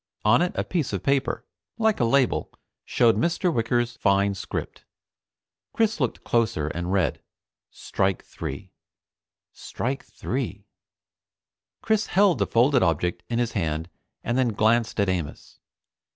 On it a piece of paper, like a label, showed Mr. Wicker's fine script. Chris looked closer and read: "Strike 3." "Strike 3." Chris held the folded object in his hand, and then glanced at Amos.